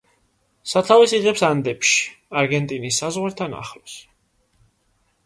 სათავეს იღებს ანდებში, არგენტინის საზღვართან ახლოს.